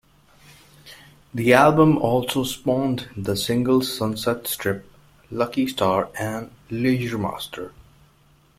The album also spawned the singles 'Sunset Strip', 'Lucky Star' and 'Leisuremaster'.